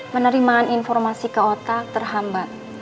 penerimaan informasi ke otak terhambat